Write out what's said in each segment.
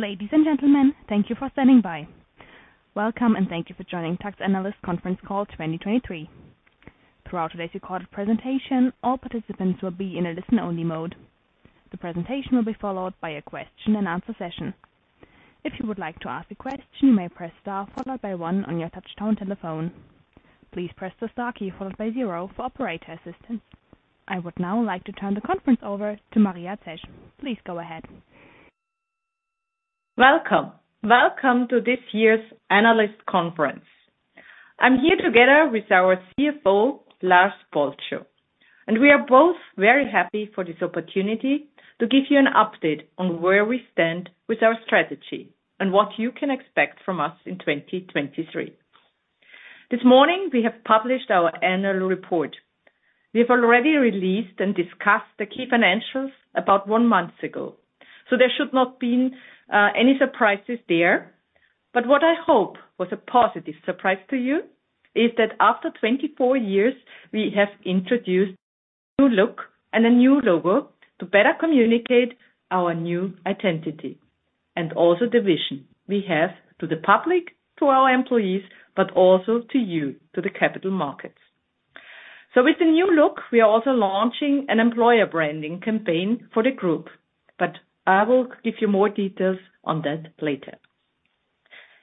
Ladies and gentlemen, thank you for standing by. Welcome, and thank you for joining TAKKT Analyst Conference Call 2023. Throughout today's recorded presentation, all participants will be in a listen-only mode. The presentation will be followed by a question-and-answer session. If you would like to ask a question, you may press Star followed by one on your touchtone telephone. Please press the Star key followed by zero for operator assistance. I would now like to turn the conference over to Maria Zesch. Please go ahead. Welcome. Welcome to this year's analyst conference. I'm here together with our CFO, Lars Bolscho, and we are both very happy for this opportunity to give you an update on where we stand with our strategy and what you can expect from us in 2023. This morning, we have published our annual report. We have already released and discussed the key financials about one month ago, so there should not been any surprises there. What I hope was a positive surprise to you is that after 24 years, we have introduced new look and a new logo to better communicate our new identity and also the vision we have to the public, to our employees, but also to you, to the capital markets. With the new look, we are also launching an employer branding campaign for the group, but I will give you more details on that later.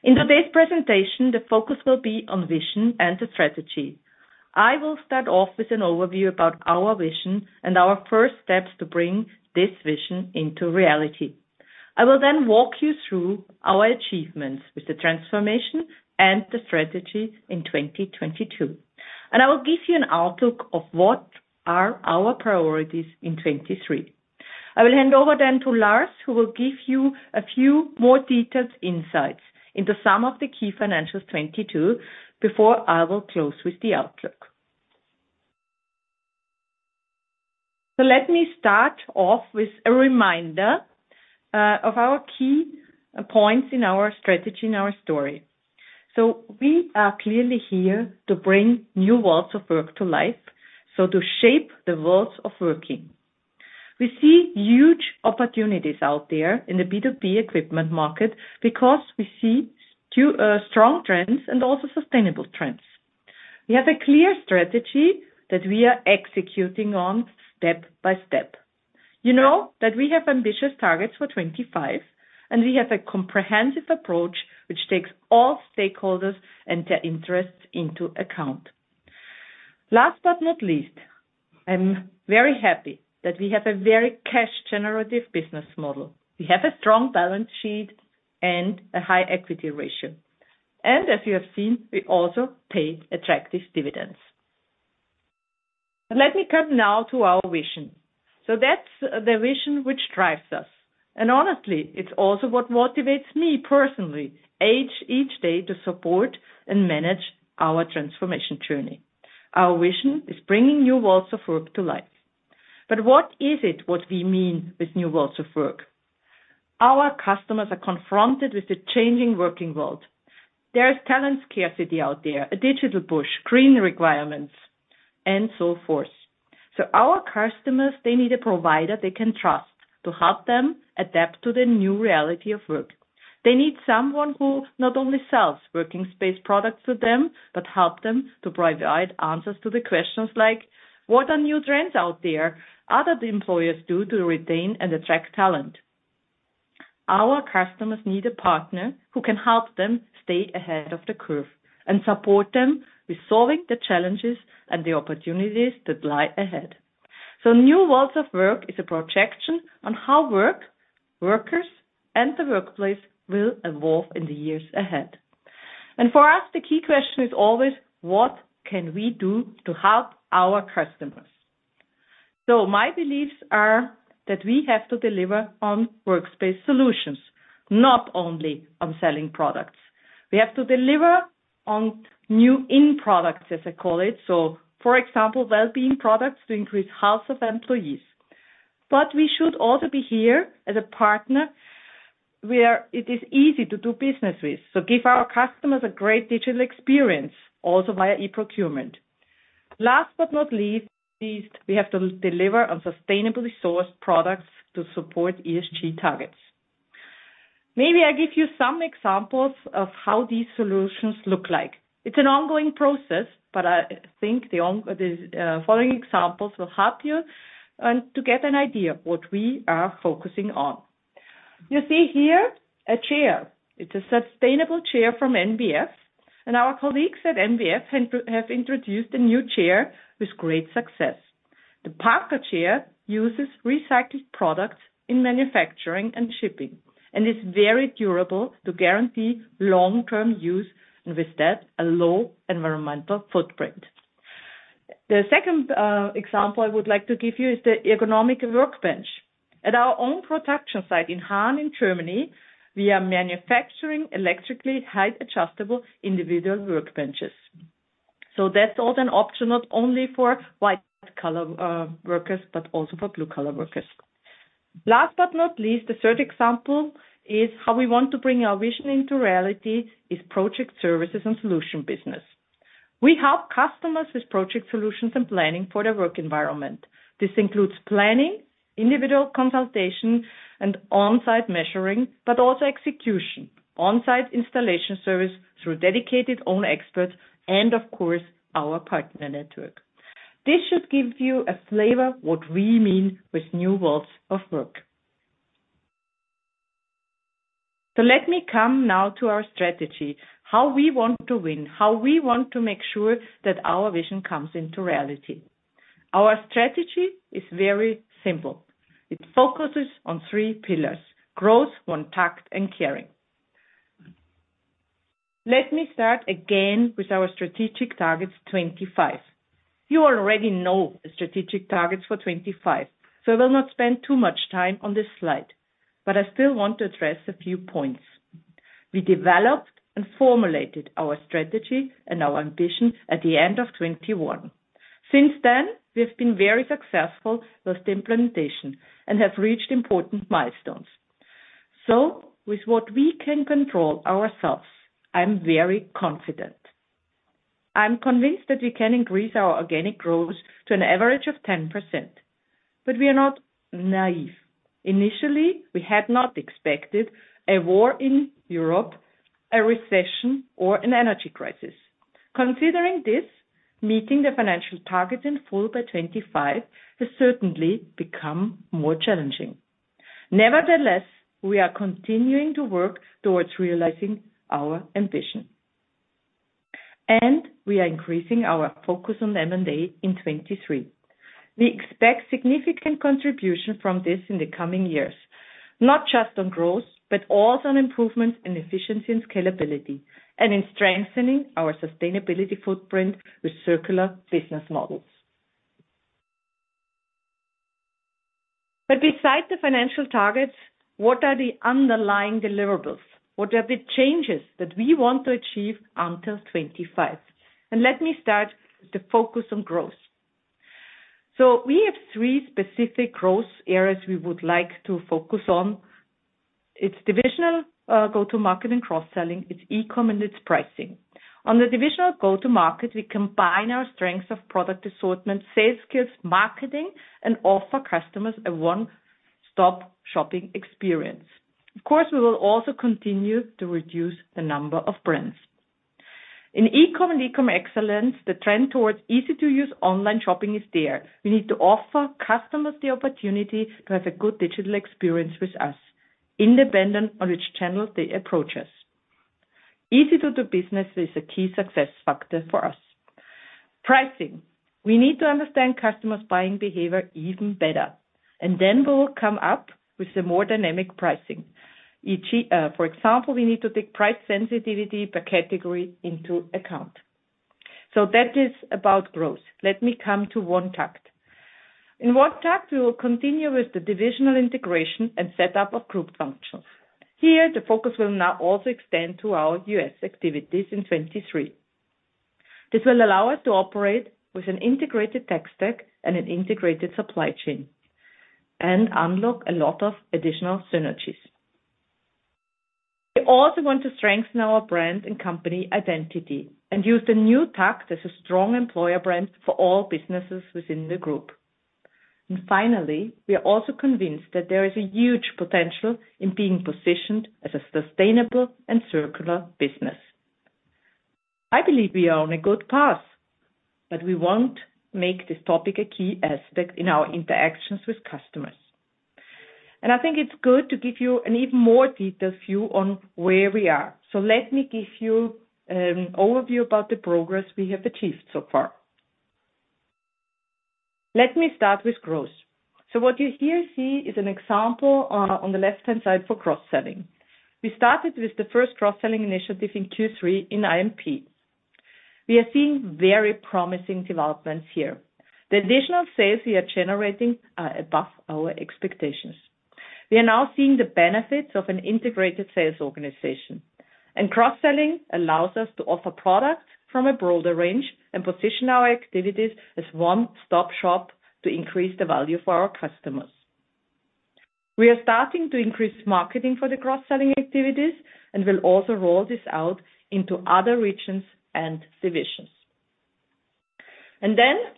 In today's presentation, the focus will be on vision and the strategy. I will start off with an overview about our vision and our first steps to bring this vision into reality. I will walk you through our achievements with the transformation and the strategy in 2022, and I will give you an outlook of what are our priorities in 2023. I will hand over then to Lars, who will give you a few more detailed insights into some of the key financials 2022 before I will close with the outlook. Let me start off with a reminder of our key points in our strategy and our story. We are clearly here to bring new worlds of work to life, so to shape the worlds of working. We see huge opportunities out there in the B2B equipment market because we see two strong trends and also sustainable trends. We have a clear strategy that we are executing on step by step. You know that we have ambitious targets for 25, and we have a comprehensive approach which takes all stakeholders and their interests into account. Last but not least, I'm very happy that we have a very cash-generative business model. We have a strong balance sheet and a high equity ratio. As you have seen, we also pay attractive dividends. Let me come now to our vision. That's the vision which drives us. Honestly, it's also what motivates me personally each day to support and manage our transformation journey. Our vision is bringing new worlds of work to life. What is it what we mean with new worlds of work? Our customers are confronted with the changing working world. There is talent scarcity out there, a digital push, green requirements, and so forth. Our customers, they need a provider they can trust to help them adapt to the new reality of work. They need someone who not only sells working space products to them, but help them to provide answers to the questions like, "What are new trends out there? Other employers do to retain and attract talent?" Our customers need a partner who can help them stay ahead of the curve and support them with solving the challenges and the opportunities that lie ahead. New worlds of work is a projection on how work, workers, and the workplace will evolve in the years ahead. For us, the key question is always: what can we do to help our customers? My beliefs are that we have to deliver on workspace solutions, not only on selling products. We have to deliver on new in products, as I call it. For example, well-being products to increase health of employees. We should also be here as a partner where it is easy to do business with. Give our customers a great digital experience also via e-procurement. Last but not least, we have to deliver on sustainably sourced products to support ESG targets. Maybe I give you some examples of how these solutions look like. It's an ongoing process, but I think the following examples will help you to get an idea of what we are focusing on. You see here a chair. It's a sustainable chair from NBF, and our colleagues at NBF have introduced a new chair with great success. The Parker chair uses recycled products in manufacturing and shipping and is very durable to guarantee long-term use and with that, a low environmental footprint. The second example I would like to give you is the ergonomic workbench. At our own production site in Haan in Germany, we are manufacturing electrically height-adjustable individual workbenches. That's also an option not only for white-collar workers, but also for blue-collar workers. Last but not least, the third example is how we want to bring our vision into reality is project services and solution business. We help customers with project solutions and planning for their work environment. This includes planning, individual consultation, and on-site measuring, but also execution, on-site installation service through dedicated own experts and of course, our partner network. This should give you a flavor what we mean with new walls of work. Let me come now to our strategy, how we want to win, how we want to make sure that our vision comes into reality. Our strategy is very simple. It focuses on three pillars: growth, OneTAKKT, and caring. Let me start again with our strategic targets 25. You already know the strategic targets for 25, so I will not spend too much time on this slide, but I still want to address a few points. We developed and formulated our strategy and our ambition at the end of 2021. Since then, we have been very successful with the implementation and have reached important milestones. With what we can control ourselves, I'm very confident. I'm convinced that we can increase our organic growth to an average of 10%. We are not naive. Initially, we had not expected a war in Europe, a recession, or an energy crisis. Considering this, meeting the financial targets in full by 25 has certainly become more challenging. Nevertheless, we are continuing to work towards realizing our ambition. We are increasing our focus on M&A in 23. We expect significant contribution from this in the coming years, not just on growth, but also on improvement in efficiency and scalability and in strengthening our sustainability footprint with circular business models. Beside the financial targets, what are the underlying deliverables? What are the changes that we want to achieve until 25? Let me start with the focus on growth. We have three specific growth areas we would like to focus on. It's divisional, go-to-market and cross-selling, it's e-com and it's pricing. On the divisional go-to-market, we combine our strengths of product assortment, sales skills, marketing, and offer customers a one-stop shopping experience. Of course, we will also continue to reduce the number of brands. In e-com and e-com excellence, the trend towards easy-to-use online shopping is there. We need to offer customers the opportunity to have a good digital experience with us, independent on which channels they approach us. Easy to do business is a key success factor for us. Pricing. Then we'll come up with a more dynamic pricing. Eg, for example, we need to take price sensitivity per category into account. That is about growth. Let me come to OneTAKKT. In OneTAKKT, we will continue with the divisional integration and set up of group functions. Here, the focus will now also extend to our US activities in 2023. This will allow us to operate with an integrated tech stack and an integrated supply chain and unlock a lot of additional synergies. We also want to strengthen our brand and company identity and use the new TAKKT as a strong employer brand for all businesses within the group. Finally, we are also convinced that there is a huge potential in being positioned as a sustainable and circular business. I believe we are on a good path, but we won't make this topic a key aspect in our interactions with customers. I think it's good to give you an even more detailed view on where we are. Let me give you overview about the progress we have achieved so far. Let me start with growth. What you here see is an example on the left-hand side for cross-selling. We started with the first cross-selling initiative in Q3 in I&P. We are seeing very promising developments here. The additional sales we are generating are above our expectations. We are now seeing the benefits of an integrated sales organization. Cross-selling allows us to offer products from a broader range and position our activities as one-stop shop to increase the value for our customers. We are starting to increase marketing for the cross-selling activities and will also roll this out into other regions and divisions.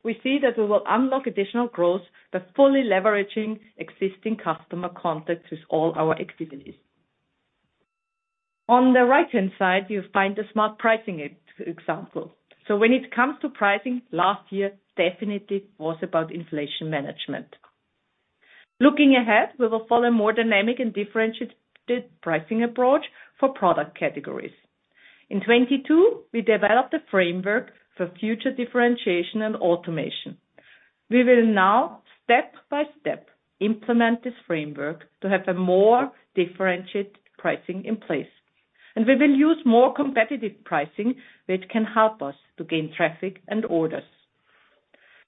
We see that we will unlock additional growth by fully leveraging existing customer contacts with all our activities. On the right-hand side, you find a smart pricing example. When it comes to pricing, last year definitely was about inflation management. Looking ahead, we will follow more dynamic and differentiated pricing approach for product categories. In 2022, we developed a framework for future differentiation and automation. We will now step by step implement this framework to have a more differentiated pricing in place. We will use more competitive pricing which can help us to gain traffic and orders.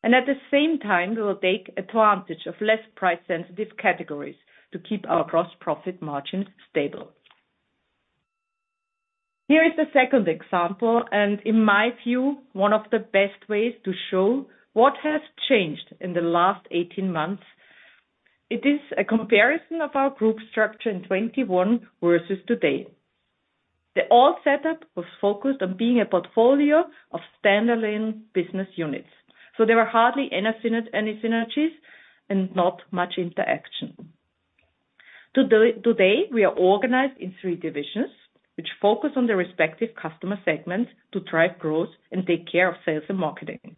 At the same time, we will take advantage of less price sensitive categories to keep our gross profit margins stable. Here is the second example, and in my view, one of the best ways to show what has changed in the last 18 months. It is a comparison of our group structure in 2021 versus today. The old setup was focused on being a portfolio of standalone business units, there were hardly any synergies and not much interaction. Today, we are organized in three divisions, which focus on the respective customer segments to drive growth and take care of sales and marketing.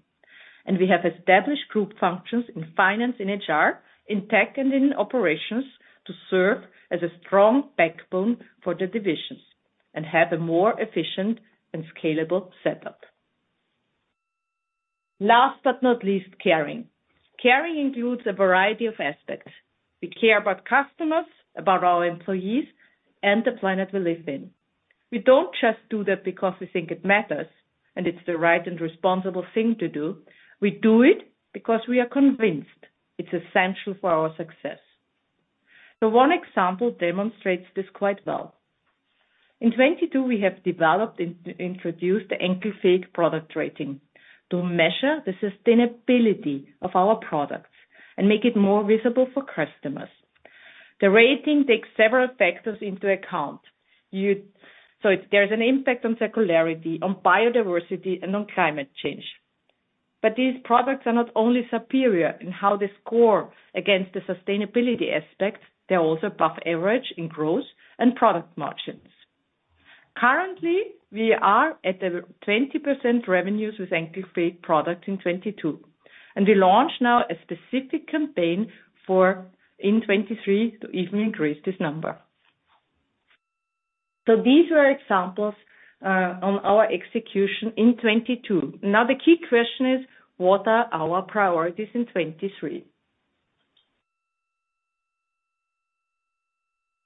We have established group functions in finance and HR, in tech and in operations to serve as a strong backbone for the divisions and have a more efficient and scalable setup. Last but not least, caring. Caring includes a variety of aspects. We care about customers, about our employees, and the planet we live in. We don't just do that because we think it matters, and it's the right and responsible thing to do. We do it because we are convinced it's essential for our success. One example demonstrates this quite well. In 2022, we have developed and introduced the enkelfähig product rating to measure the sustainability of our products and make it more visible for customers. The rating takes several factors into account. If there's an impact on circularity, on biodiversity, and on climate change. These products are not only superior in how they score against the sustainability aspect, they're also above average in growth and product margins. Currently, we are at the 20% revenues with enkelfähig product in 2022, and we launch now a specific campaign for in 2023 to even increase this number. These were examples on our execution in 2022. Now, the key question is: what are our priorities in 2023?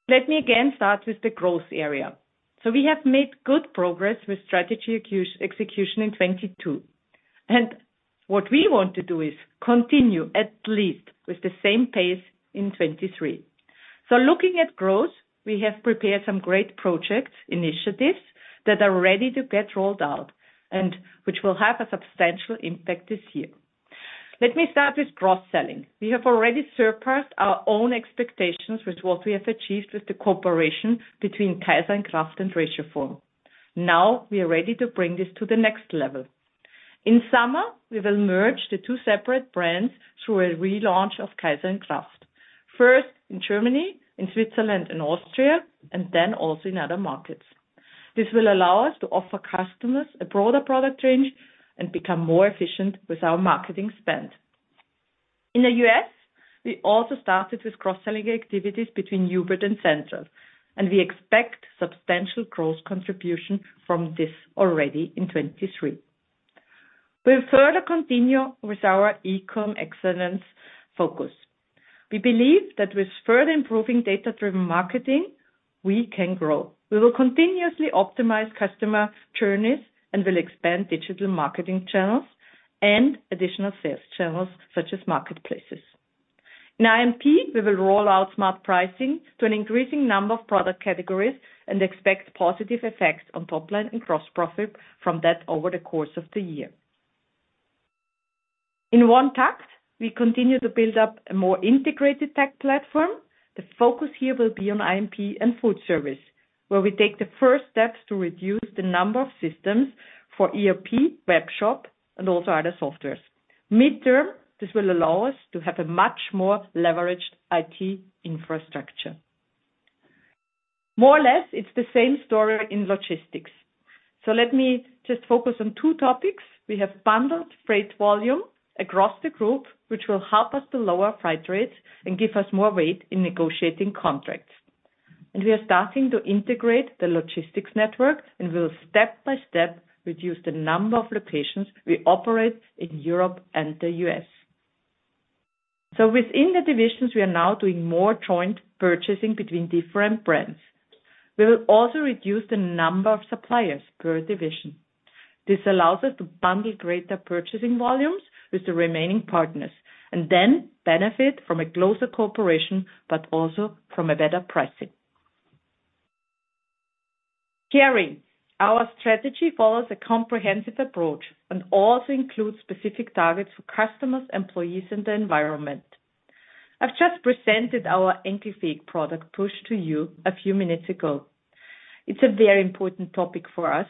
Let me again start with the growth area. We have made good progress with strategy execution in 2022. What we want to do is continue at least with the same pace in 2023. Looking at growth, we have prepared some great projects, initiatives that are ready to get rolled out and which will have a substantial impact this year. Let me start with cross-selling. We have already surpassed our own expectations with what we have achieved with the cooperation between KAISER+KRAFT and Ratioform. We are ready to bring this to the next level. In summer, we will merge the two separate brands through a relaunch of KAISER+KRAFT. First in Germany, in Switzerland and Austria, and then also in other markets. This will allow us to offer customers a broader product range and become more efficient with our marketing spend. In the U.S., we also started with cross-selling activities between Hubert and Central, and we expect substantial growth contribution from this already in 2023. We'll further continue with our e-com excellence focus. We believe that with further improving data-driven marketing, we can grow. We will continuously optimize customer journeys and will expand digital marketing channels and additional sales channels such as marketplaces. In I&P, we will roll out smart pricing to an increasing number of product categories and expect positive effects on top line and gross profit from that over the course of the year. In OneTAKKT, we continue to build up a more integrated tech platform. The focus here will be on I&P and FoodService, where we take the first steps to reduce the number of systems for ERP, webshop, and also other softwares. Midterm, this will allow us to have a much more leveraged IT infrastructure. More or less, it's the same story in logistics. Let me just focus on two topics. We have bundled freight volume across the group, which will help us to lower freight rates and give us more weight in negotiating contracts. We are starting to integrate the logistics network and will step by step reduce the number of locations we operate in Europe and the US. Within the divisions, we are now doing more joint purchasing between different brands. We will also reduce the number of suppliers per division. This allows us to bundle greater purchasing volumes with the remaining partners and then benefit from a closer cooperation, but also from a better pricing. Caring. Our strategy follows a comprehensive approach and also includes specific targets for customers, employees, and the environment. I've just presented our enkelfähig product push to you a few minutes ago. It's a very important topic for us,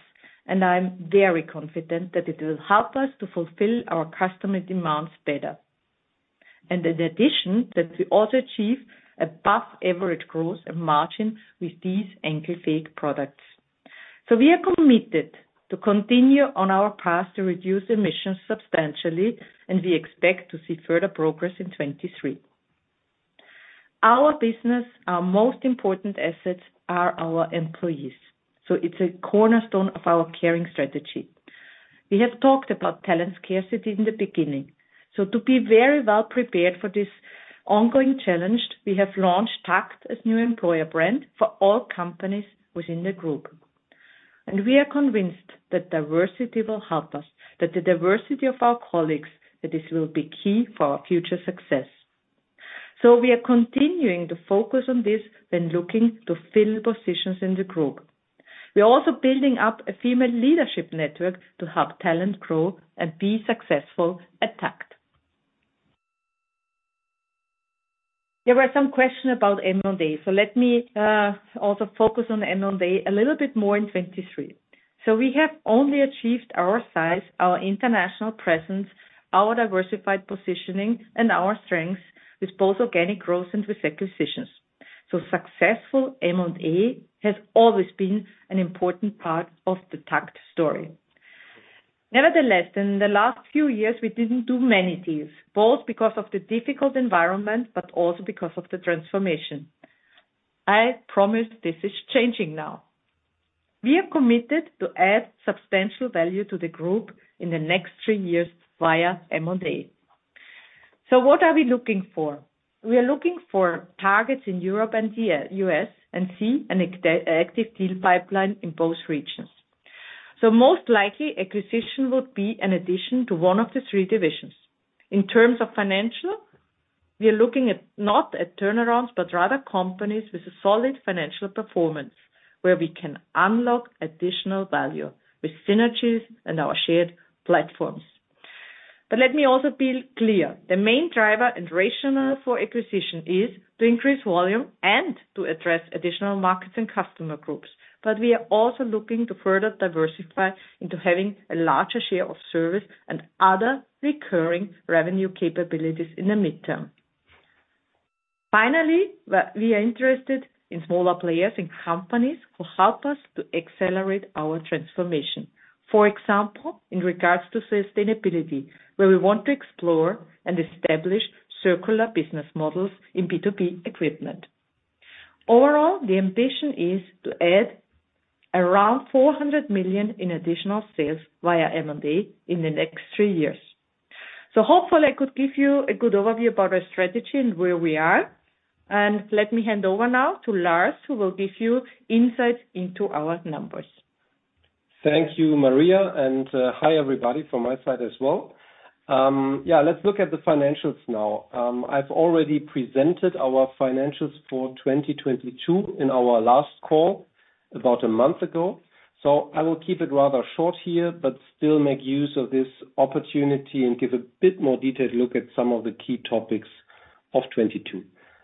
and I'm very confident that it will help us to fulfill our customer demands better. In addition, that we also achieve above average growth and margin with these enkelfähig products. We are committed to continue on our path to reduce emissions substantially, and we expect to see further progress in 2023. Our business, our most important assets are our employees, so it's a cornerstone of our Caring strategy. We have talked about talent scarcity in the beginning. To be very well prepared for this ongoing challenge, we have launched TAKKT as new employer brand for all companies within the group. We are convinced that diversity will help us, that the diversity of our colleagues, that this will be key for our future success. We are continuing to focus on this when looking to fill positions in the group. We are also building up a female leadership network to help talent grow and be successful at TAKKT. There were some questions about M&A, so let me also focus on M&A a little bit more in 2023. We have only achieved our size, our international presence, our diversified positioning, and our strengths with both organic growth and with acquisitions. Successful M&A has always been an important part of the TAKKT story. Nevertheless, in the last few years, we didn't do many deals, both because of the difficult environment, but also because of the transformation. I promise this is changing now. We are committed to add substantial value to the group in the next three years via M&A. What are we looking for? We are looking for targets in Europe and the U.S., and see an active deal pipeline in both regions. Most likely, acquisition would be an addition to one of the three divisions. In terms of financial, we are looking at, not at turnarounds, but rather companies with a solid financial performance, where we can unlock additional value with synergies and our shared platforms. Let me also be clear, the main driver and rationale for acquisition is to increase volume and to address additional markets and customer groups. We are also looking to further diversify into having a larger share of service and other recurring revenue capabilities in the midterm. Finally, we are interested in smaller players and companies who help us to accelerate our transformation. For example, in regards to sustainability, where we want to explore and establish circular business models in B2B equipment. Overall, the ambition is to add around 400 million in additional sales via M&A in the next three years. Hopefully, I could give you a good overview about our strategy and where we are. Let me hand over now to Lars, who will give you insights into our numbers. Thank you, Maria, and hi, everybody from my side as well. Let's look at the financials now. I've already presented our financials for 2022 in our last call about a month ago, so I will keep it rather short here, but still make use of this opportunity and give a bit more detailed look at some of the key topics of 2022.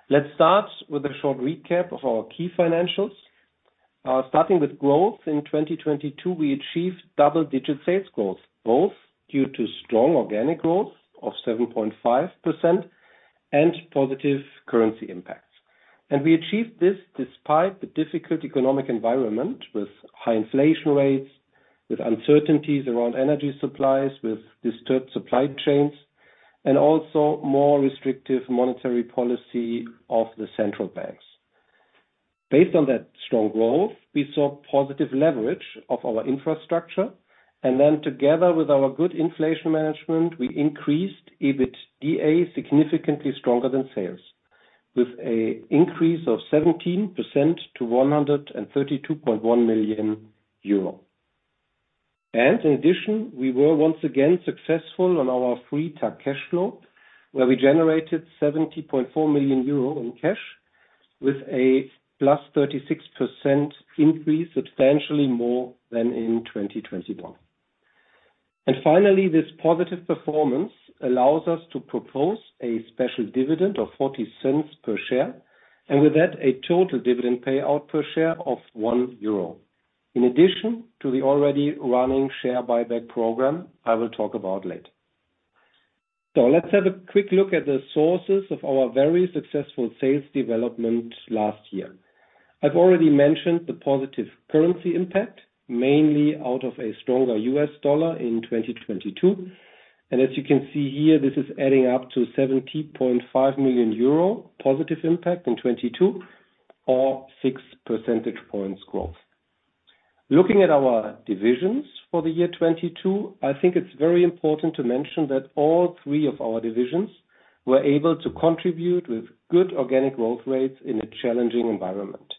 Let's start with a short recap of our key financials. Starting with growth in 2022, we achieved double-digit sales growth, both due to strong organic growth of 7.5% and positive currency impacts. We achieved this despite the difficult economic environment with high inflation rates, with uncertainties around energy supplies, with disturbed supply chains, and also more restrictive monetary policy of the central banks. Based on that strong growth, we saw positive leverage of our infrastructure. Together with our good inflation management, we increased EBITDA significantly stronger than sales, with a increase of 17% to 132.1 million euro. In addition, we were once again successful on our free tax cash flow, where we generated 70.4 million euro in cash with a plus 36% increase, substantially more than in 2021. Finally, this positive performance allows us to propose a special dividend of 0.40 per share, and with that, a total dividend payout per share of 1 euro. In addition to the already running share buyback program, I will talk about later. Let's have a quick look at the sources of our very successful sales development last year. I've already mentioned the positive currency impact, mainly out of a stronger US dollar in 2022. As you can see here, this is adding up to 70.5 million euro positive impact in 2022 or 6 percentage points growth. Looking at our divisions for the year 2022, I think it's very important to mention that all three of our divisions were able to contribute with good organic growth rates in a challenging environment.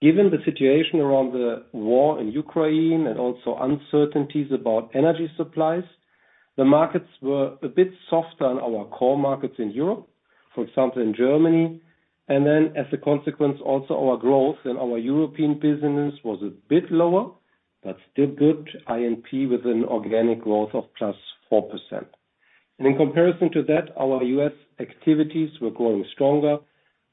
Given the situation around the war in Ukraine and also uncertainties about energy supplies, the markets were a bit softer in our core markets in Europe, for example, in Germany. As a consequence, also our growth in our European business was a bit lower, but still good, I&P with an organic growth of plus 4%. In comparison to that, our U.S. activities were growing stronger,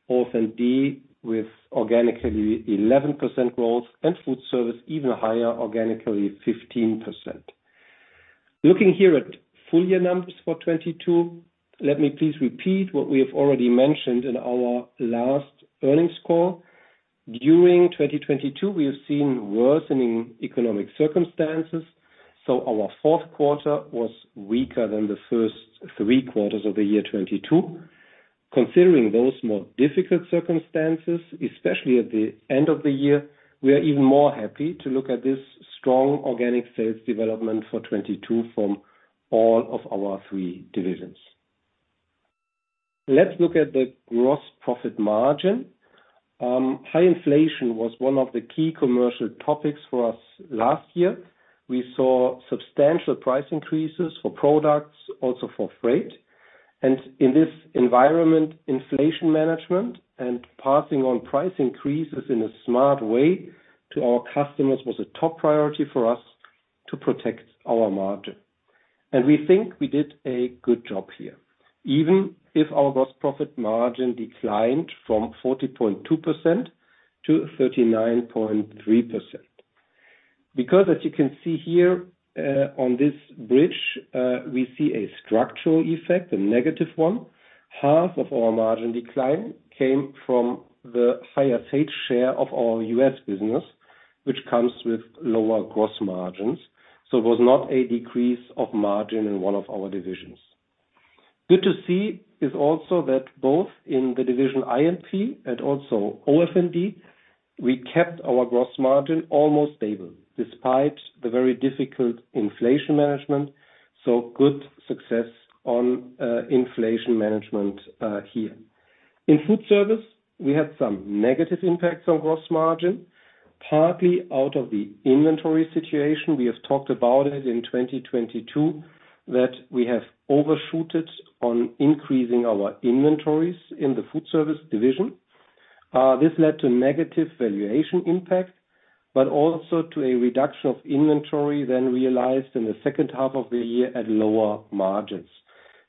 Health and Beauty with organically 11% growth and Foodservice even higher, organically 15%. Looking here at full year numbers for 2022, let me please repeat what we have already mentioned in our last earnings call. During 2022, we have seen worsening economic circumstances, so our fourth quarter was weaker than the first three quarters of the year 2022. Considering those more difficult circumstances, especially at the end of the year, we are even more happy to look at this strong organic sales development for 2022 from all of our three divisions. Let's look at the gross profit margin. High inflation was one of the key commercial topics for us last year. We saw substantial price increases for products, also for freight. In this environment, inflation management and passing on price increases in a smart way to our customers was a top priority for us to protect our margin. We think we did a good job here, even if our gross profit margin declined from 40.2% - 39.3%. Because as you can see here, on this bridge, we see a structural effect, a negative one. Half of our margin decline came from the higher sales share of our U.S. business, which comes with lower gross margins. It was not a decrease of margin in one of our divisions. Good to see is also that both in the division I&P and also OF&D, we kept our gross margin almost stable despite the very difficult inflation management. Good success on inflation management here. In FoodService, we had some negative impacts on gross margin, partly out of the inventory situation. We have talked about it in 2022, that we have overshot it on increasing our inventories in the FoodService division. This led to negative valuation impact, also to a reduction of inventory than realized in the second half of the year at lower margins.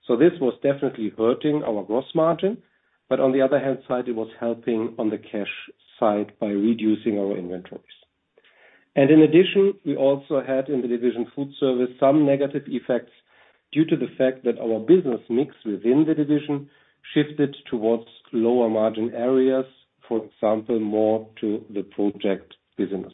This was definitely hurting our gross margin. On the other hand side, it was helping on the cash side by reducing our inventories. In addition, we also had in the division FoodService, some negative effects due to the fact that our business mix within the division shifted towards lower margin areas, for example, more to the project business.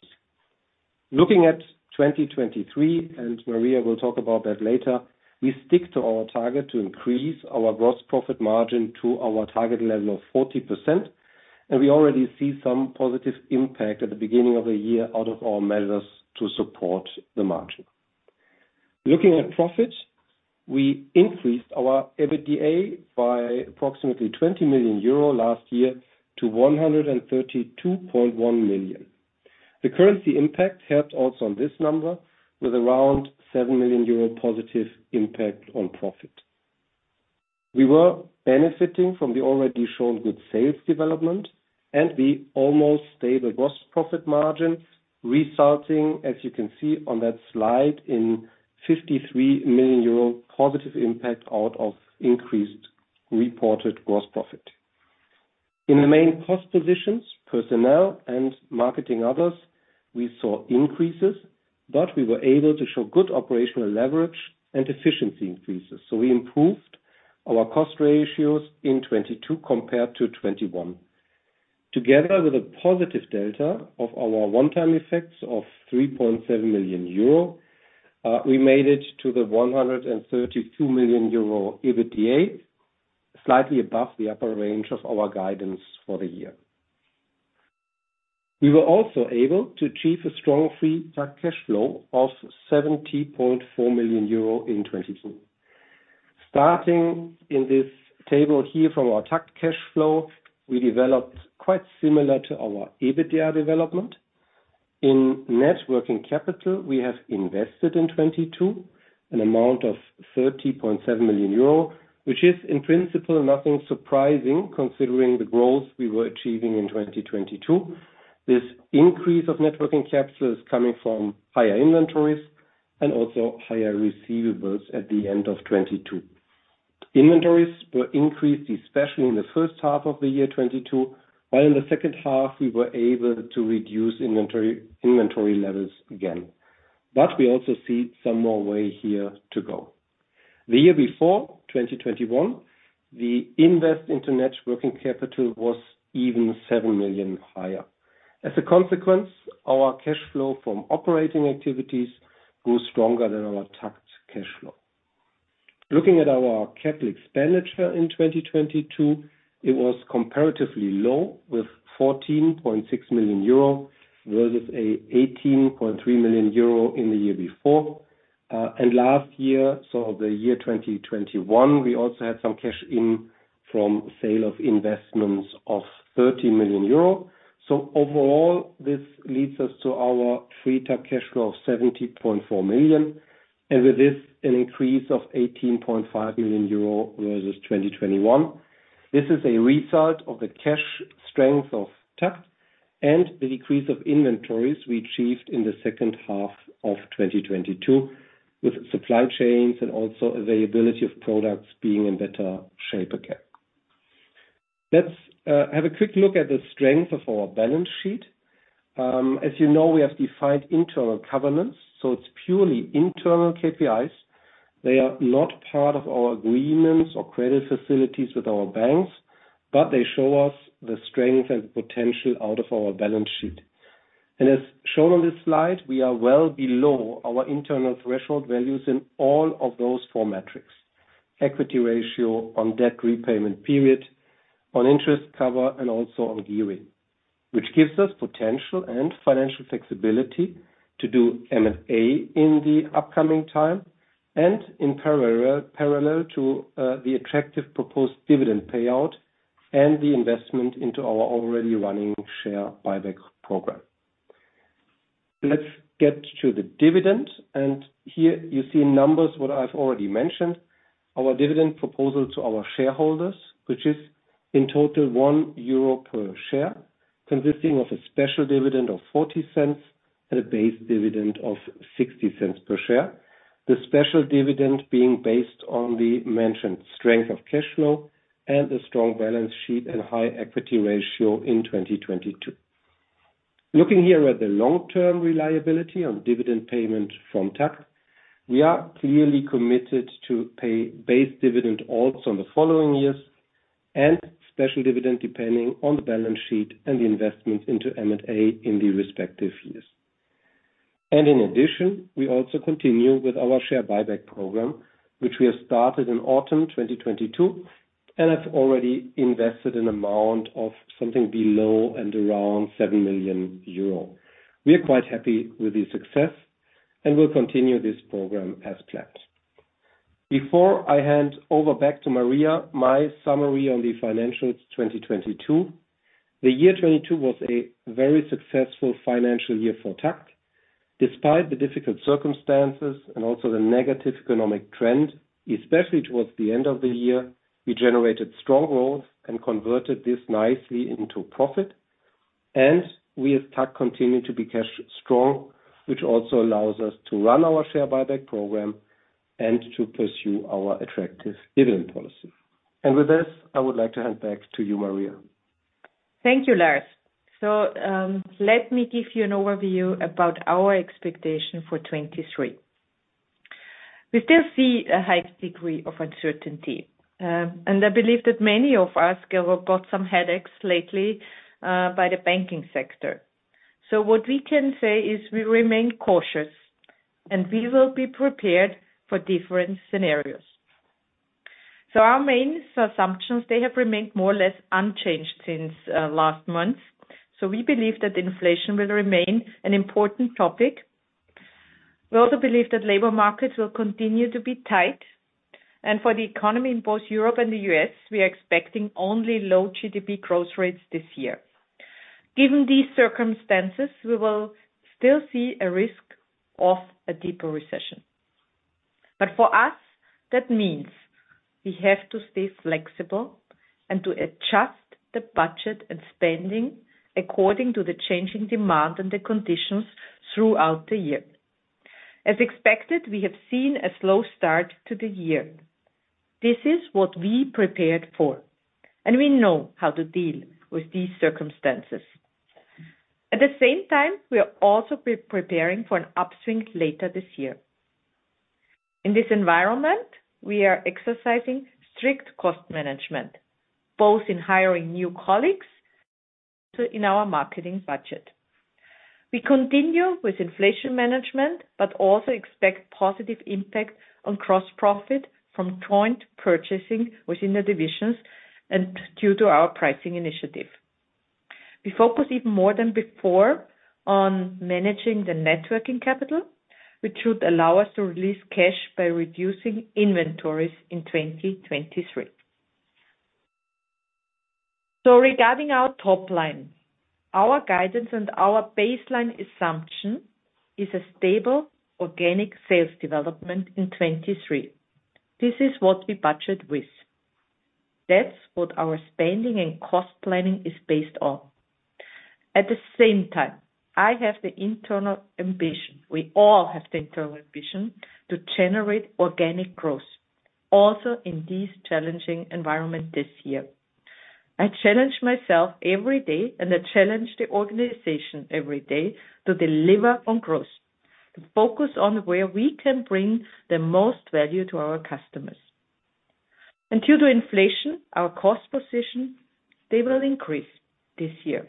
Looking at 2023, and Maria will talk about that later, we stick to our target to increase our gross profit margin to our target level of 40%, and we already see some positive impact at the beginning of the year out of our measures to support the margin. Looking at profit, we increased our EBITDA by approximately 20 million euro last year to 132.1 million. The currency impact helped also on this number with around 7 million euro positive impact on profit. We were benefiting from the already shown good sales development and the almost stable gross profit margin, resulting, as you can see on that slide, in 53 million euro positive impact out of increased reported gross profit. In the main cost positions, personnel and marketing others, we saw increases, but we were able to show good operational leverage and efficiency increases. We improved our cost ratios in 2022 compared to 2021. Together with a positive delta of our one-time effects of 3.7 million euro, we made it to the 132 million euro EBITDA, slightly above the upper range of our guidance for the year. We were also able to achieve a strong free tax cash flow of 70.4 million euro in 2022. Starting in this table here from our TAKKT cash flow, we developed quite similar to our EBITDA development. In net working capital, we have invested in 2022 an amount of 30.7 million euro, which is in principle nothing surprising considering the growth we were achieving in 2022. This increase of net working capital is coming from higher inventories and also higher receivables at the end of 2022. Inventories were increased, especially in the first half of 2022, while in the second half, we were able to reduce inventory levels again. We also see some more way here to go. The year before, 2021, the invest internet working capital was even 7 million higher. As a consequence, our cash flow from operating activities grew stronger than our TAKKT cash flow. Looking at our capital expenditure in 2022, it was comparatively low with 14.6 million euro, versus a 18.3 million euro in the year before. Last year, so the year 2021, we also had some cash in from sale of investments of 13 million euro. Overall, this leads us to our free TAKKT cash flow of 70.4 million, and with this an increase of 18.5 million euro versus 2021. This is a result of the cash strength of TAKKT and the decrease of inventories we achieved in the second half of 2022, with supply chains and also availability of products being in better shape again. Let's have a quick look at the strength of our balance sheet. As you know, we have defined internal governance, so it's purely internal KPIs. They are not part of our agreements or credit facilities with our banks, but they show us the strength and potential out of our balance sheet. As shown on this slide, we are well below our internal threshold values in all of those four metrics: equity ratio on debt repayment period, on interest cover, and also on gearing, which gives us potential and financial flexibility to do M&A in the upcoming time and parallel to the attractive proposed dividend payout and the investment into our already running share buyback program. Let's get to the dividend. Here you see numbers what I've already mentioned. Our dividend proposal to our shareholders, which is in total 1 euro per share, consisting of a special dividend of 0.40 and a base dividend of 0.60 per share. The special dividend being based on the mentioned strength of cash flow and the strong balance sheet and high equity ratio in 2022. Looking here at the long-term reliability on dividend payment from TAKKT, we are clearly committed to pay base dividend also in the following years, and special dividend, depending on the balance sheet and the investments into M&A in the respective years. In addition, we also continue with our share buyback program, which we have started in autumn 2022, and have already invested an amount of something below and around 7 million euro. We are quite happy with the success, and we'll continue this program as planned. Before I hand over back to Maria, my summary on the financials 2022. The year 2022 was a very successful financial year for TAKKT, despite the difficult circumstances and also the negative economic trend, especially towards the end of the year, we generated strong growth and converted this nicely into profit. We at TAKKT continue to be cash strong, which also allows us to run our share buyback program and to pursue our attractive dividend policy. With this, I would like to hand back to you, Maria. Thank you, Lars. Let me give you an overview about our expectation for 2023. We still see a high degree of uncertainty, and I believe that many of us got some headaches lately by the banking sector. What we can say is we remain cautious and we will be prepared for different scenarios. Our main assumptions, they have remained more or less unchanged since last month. We believe that inflation will remain an important topic. We also believe that labor markets will continue to be tight. For the economy in both Europe and the U.S., we are expecting only low GDP growth rates this year. Given these circumstances, we will still see a risk of a deeper recession. For us, that means we have to stay flexible and to adjust the budget and spending according to the changing demand and the conditions throughout the year. As expected, we have seen a slow start to the year. This is what we prepared for, and we know how to deal with these circumstances. At the same time, we are also preparing for an upswing later this year. In this environment, we are exercising strict cost management, both in hiring new colleagues, so in our marketing budget. We continue with inflation management, but also expect positive impact on cross-profit from joint purchasing within the divisions and due to our pricing initiative. We focus even more than before on managing the net working capital, which should allow us to release cash by reducing inventories in 2023. Regarding our top line, our guidance and our baseline assumption is a stable organic sales development in 2023. This is what we budget with. That's what our spending and cost planning is based on. At the same time, I have the internal ambition, we all have the internal ambition, to generate organic growth, also in this challenging environment this year. I challenge myself every day, and I challenge the organization every day, to deliver on growth, to focus on where we can bring the most value to our customers. Due to inflation, our cost position, they will increase this year.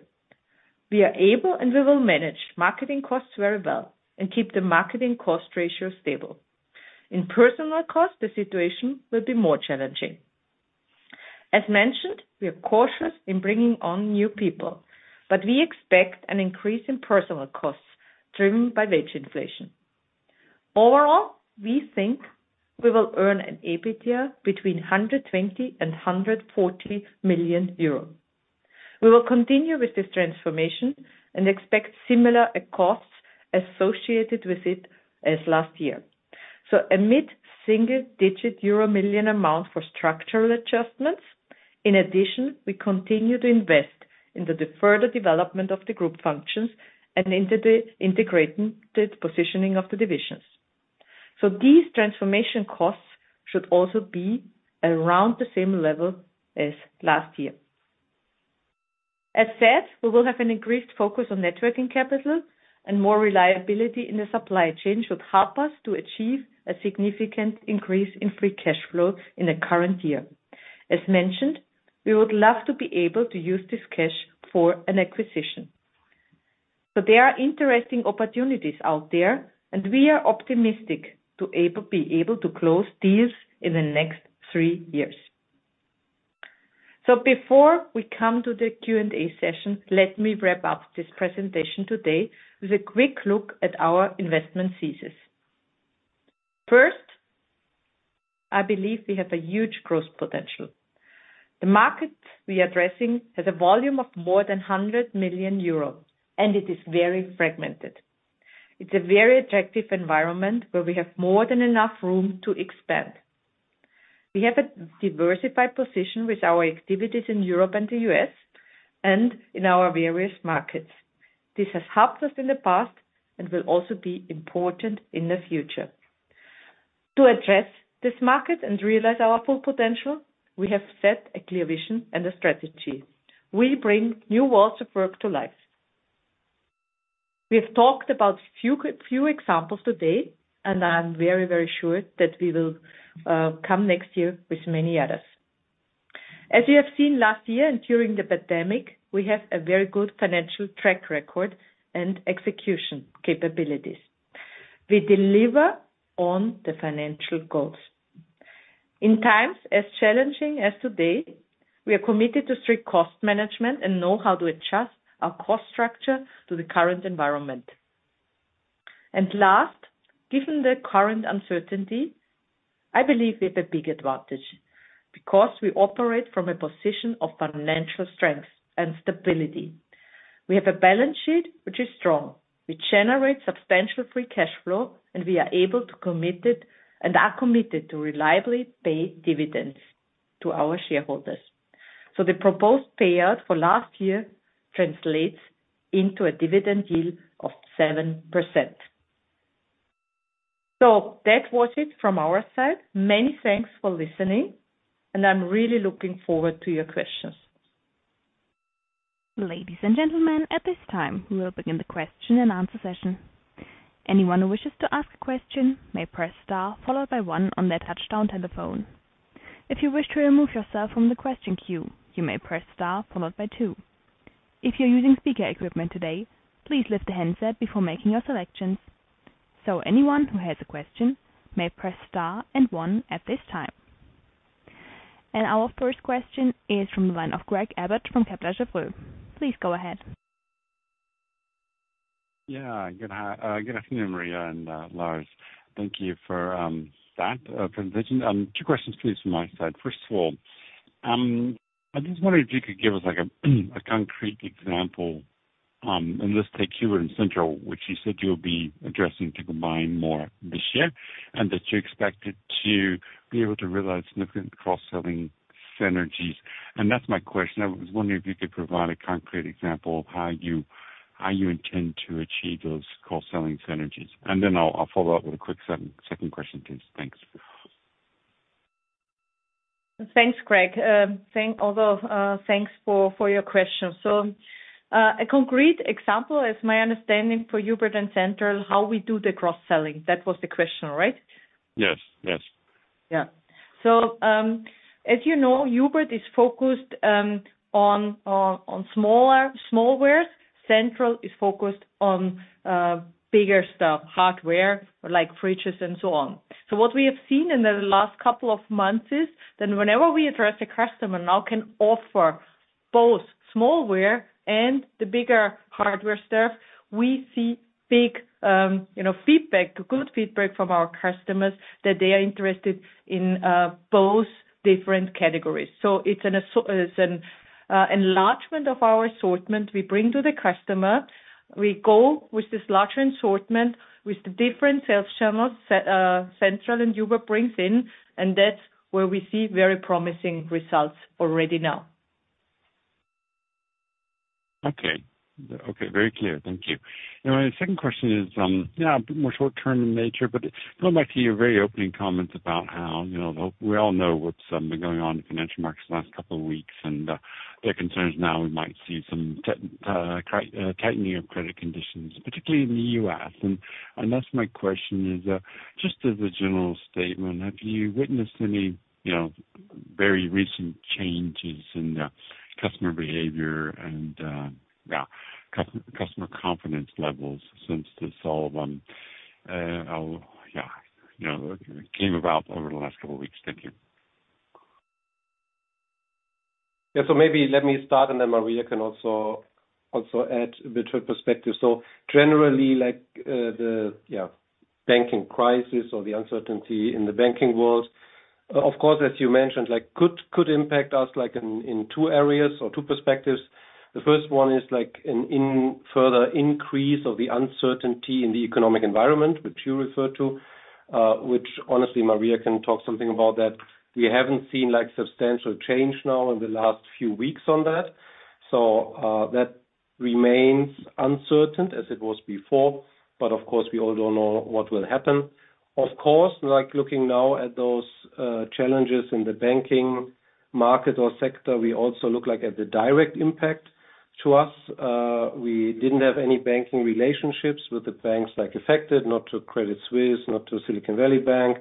We are able and we will manage marketing costs very well and keep the marketing cost ratio stable. In personal cost, the situation will be more challenging. As mentioned, we are cautious in bringing on new people, but we expect an increase in personal costs driven by wage inflation. Overall, we think we will earn an EBITDA between 120 million and 140 million euros. We will continue with this transformation and expect similar costs associated with it as last year. A EUR mid-single digit million amount for structural adjustments. In addition, we continue to invest in the further development of the group functions and integrating the positioning of the divisions. These transformation costs should also be around the same level as last year. As said, we will have an increased focus on net working capital and more reliability in the supply chain should help us to achieve a significant increase in free cash flow in the current year. As mentioned, we would love to be able to use this cash for an acquisition. There are interesting opportunities out there and we are optimistic to be able to close these in the next three years. Before we come to the Q&A session, let me wrap up this presentation today with a quick look at our investment thesis. First, I believe we have a huge growth potential. The market we are addressing has a volume of more than 100 million euros, and it is very fragmented. It's a very attractive environment where we have more than enough room to expand. We have a diversified position with our activities in Europe and the US and in our various markets. This has helped us in the past and will also be important in the future. To address this market and realize our full potential, we have set a clear vision and a strategy. We bring new worlds of work to life. We have talked about few examples today, and I'm very, very sure that we will come next year with many others. As you have seen last year and during the pandemic, we have a very good financial track record and execution capabilities. We deliver on the financial goals. In times as challenging as today, we are committed to strict cost management and know how to adjust our cost structure to the current environment. Last, given the current uncertainty, I believe we have a big advantage because we operate from a position of financial strength and stability. We have a balance sheet which is strong. We generate substantial free cash flow, and we are committed to reliably pay dividends to our shareholders. The proposed payout for last year translates into a dividend yield of 7%. That was it from our side. Many thanks for listening, and I'm really looking forward to your questions. Ladies and gentlemen, at this time, we will begin the question-and-answer session. Anyone who wishes to ask a question may press star followed by one on their touchdown telephone. If you wish to remove yourself from the question queue, you may press star followed by two. If you're using speaker equipment today, please lift the handset before making your selections. Anyone who has a question may press star and one at this time. Our first question is from the line of Craig Abbott from J.P. Morgan Cazenove. Please go ahead. Good afternoon, Maria and Lars. Thank you for that presentation. Two questions, please, from my side. First of all, I'm just wondering if you could give us, like, a concrete example, let's take Hubert and Central, which you said you'll be addressing to combine more this year, and that you expect it to be able to realize significant cross-selling synergies. That's my question. I was wondering if you could provide a concrete example of how you intend to achieve those cross-selling synergies. Then I'll follow up with a quick second question, please. Thanks. Thanks, Craig. Although, thanks for your question. A concrete example is my understanding for Hubert and Central, how we do the cross-selling. That was the question, right? Yes. Yes. Yeah. As you know, Hubert is focused on smaller, small wares. Central is focused on bigger stuff, hardware like fridges and so on. What we have seen in the last couple of months is that whenever we address a customer now can offer both small ware and the bigger hardware stuff, we see big, you know, feedback, good feedback from our customers that they are interested in both different categories. It's an enlargement of our assortment we bring to the customer. We go with this larger assortment with the different sales channels Central and Hubert brings in, that's where we see very promising results already now. Okay. Okay, very clear. Thank you. Now my second question is, yeah, more short-term in nature, but going back to your very opening comments about how, you know, we all know what's been going on in financial markets the last couple of weeks, there are concerns now we might see some tightening of credit conditions, particularly in the U.S. That's my question is, just as a general statement, have you witnessed any, you know, very recent changes in customer behavior and, yeah, customer confidence levels since this all, yeah, you know, came about over the last couple of weeks? Thank you. Yeah. Maybe let me start, and then Maria can also add with her perspective. Generally, like, the banking crisis or the uncertainty in the banking world, of course, as you mentioned, like, could impact us, like, in two areas or two perspectives. The first one is, like, a further increase of the uncertainty in the economic environment, which you referred to, which honestly, Maria can talk something about that. We haven't seen, like, substantial change now in the last few weeks on that. That remains uncertain as it was before. Of course, we all don't know what will happen. Like, looking now at those challenges in the banking market or sector, we also look, like, at the direct impact to us. We didn't have any banking relationships with the banks, like, affected, not to Credit Suisse, not to Silicon Valley Bank.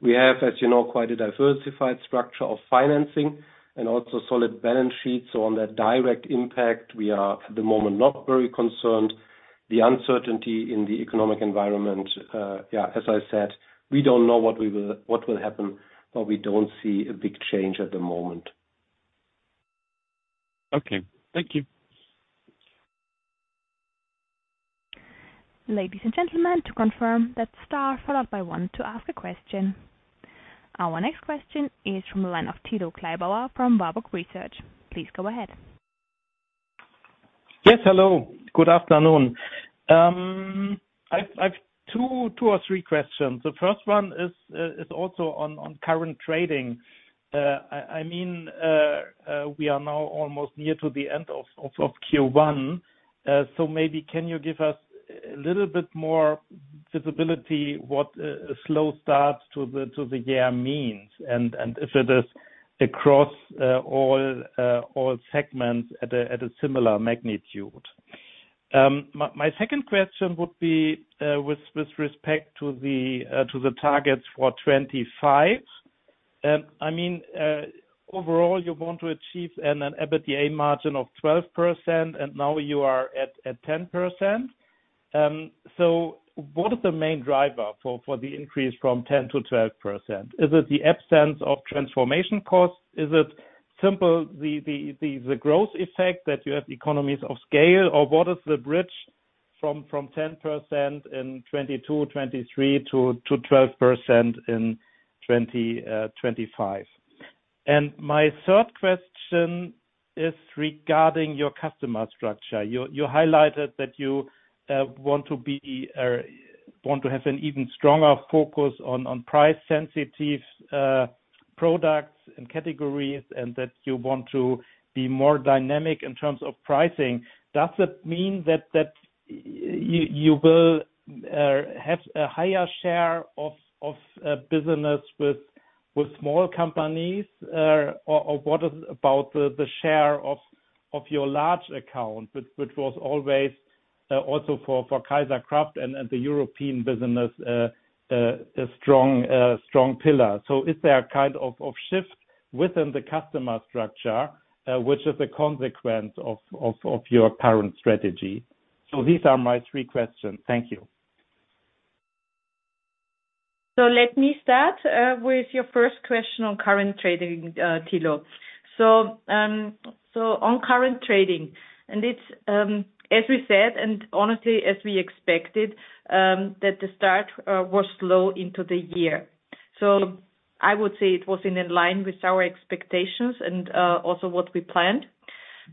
We have, as you know, quite a diversified structure of financing and also solid balance sheets on that direct impact. We are, at the moment, not very concerned. The uncertainty in the economic environment, as I said, we don't know what will happen, but we don't see a big change at the moment. Okay. Thank you. Ladies and gentlemen, to confirm that star followed by one to ask a question. Our next question is from the line of Thilo Kleibauer from Warburg Research. Please go ahead. Yes, hello. Good afternoon. I have two or three questions. The first one is also on current trading. I mean, we are now almost near to the end of Q1. Maybe can you give us a little bit more visibility what a slow start to the year means, and if it is across all segments at a similar magnitude? My second question would be with respect to the targets for 25. I mean, overall, you want to achieve an EBITDA margin of 12%, and now you are at 10%. What is the main driver for the increase from 10%-12%? Is it the absence of transformation costs? Is it simple, the growth effect that you have economies of scale? Or what is the bridge from 10% in 2022, 2023 to 12% in 2025? My third question is regarding your customer structure. You highlighted that you want to have an even stronger focus on price sensitive products and categories, and that you want to be more dynamic in terms of pricing. Does it mean that you will have a higher share of business with small companies? Or what is about the share of your large account, which was always also for Kaiserkraft and the European business a strong pillar? Is there a kind of shift within the customer structure, which is a consequence of your current strategy? These are my three questions. Thank you. Let me start with your first question on current trading, Thilo. On current trading, and it's as we said, and honestly, as we expected, that the start was slow into the year. I would say it was in line with our expectations and also what we planned.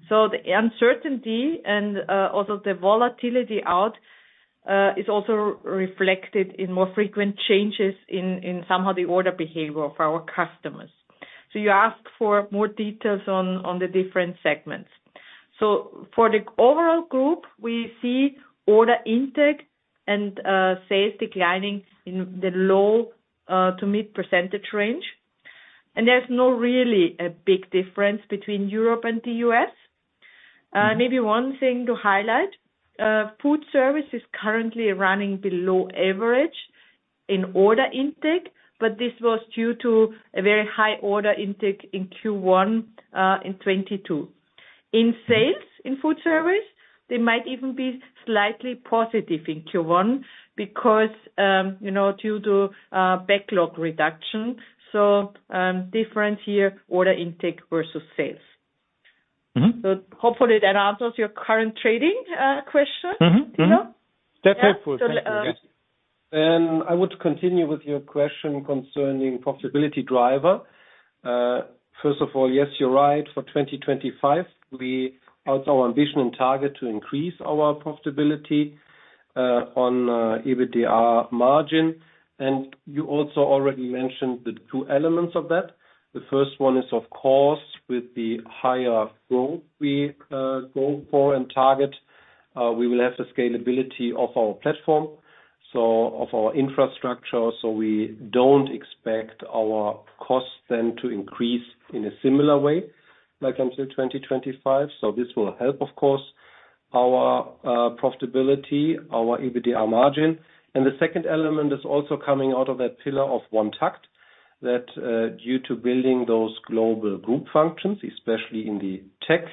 The uncertainty and also the volatility out is also reflected in more frequent changes in somehow the order behavior of our customers. You ask for more details on the different segments. For the overall group, we see order intake and sales declining in the low to mid-% range. There's no really a big difference between Europe and the U.S. Maybe one thing to highlight, FoodService is currently running below average in order intake, but this was due to a very high order intake in Q1 in 2022. In sales in FoodService, they might even be slightly positive in Q1 because, you know, due to backlog reduction. Difference here, order intake versus sales. Mm-hmm. Hopefully that answers your current trading, question. Mm-hmm. Mm-hmm. Thilo. That's helpful. Thank you. Yes. So, uh- I want to continue with your question concerning profitability driver. First of all, yes, you're right. For 2025, we have our ambition and target to increase our profitability on EBITDA margin. You also already mentioned the two elements of that. The first one is, of course, with the higher growth we go for and target, we will have the scalability of our platform, so of our infrastructure. So we don't expect our costs then to increase in a similar way, like until 2025. So this will help, of course, our profitability, our EBITDA margin. The second element is also coming out of that pillar of OneTAKKT that due to building those global group functions, especially in the tech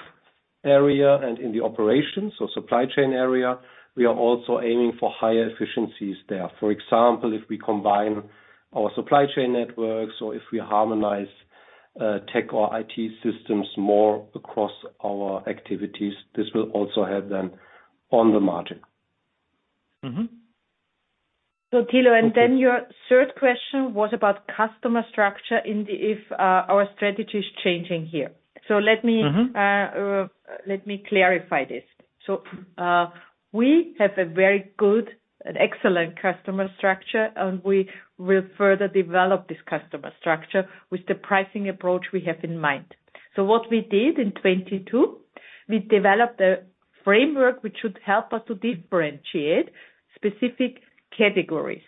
area and in the operations or supply chain area, we are also aiming for higher efficiencies there. For example, if we combine our supply chain networks or if we harmonize, tech or IT systems more across our activities, this will also help them on the margin. Mm-hmm. Thilo, and then your third question was about customer structure and if our strategy is changing here. Mm-hmm. Let me clarify this. We have a very good and excellent customer structure, and we will further develop this customer structure with the pricing approach we have in mind. What we did in 2022, we developed a framework which should help us to differentiate specific categories.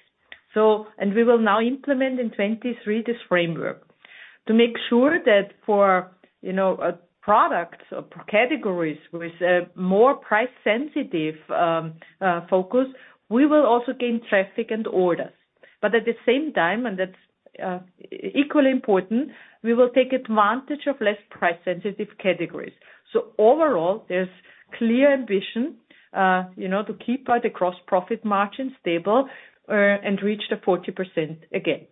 We will now implement in 2023 this framework to make sure that for, you know, products or categories with a more price sensitive focus, we will also gain traffic and orders. At the same time, and that's equally important, we will take advantage of less price sensitive categories. Overall, there's clear ambition, you know, to keep the gross profit margin stable, and reach the 40% again.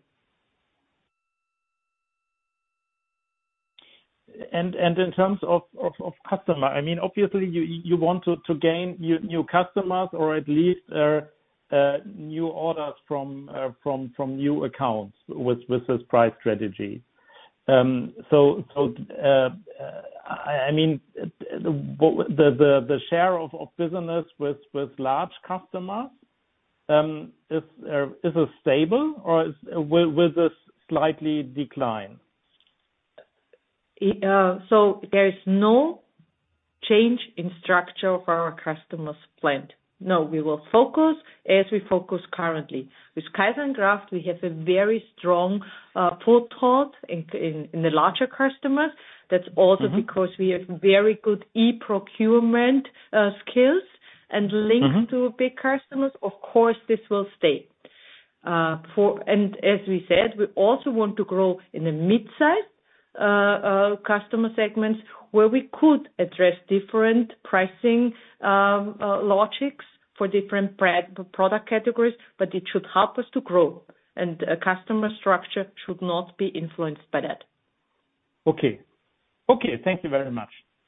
In terms of customer, I mean, obviously you want to gain new customers or at least new orders from new accounts with this price strategy. I mean, the share of business with large customers, is it stable or will this slightly decline? There is no change in structure for our customers planned. No, we will focus as we focus currently. With Kaiserkraft, we have a very strong pull through in the larger customers. That's also because we have very good e-procurement skills and links to big customers. Of course, this will stay. As we said, we also want to grow in the midsize customer segments where we could address different pricing logics for different product categories, but it should help us to grow, and a customer structure should not be influenced by that. Okay. Okay, thank you very much.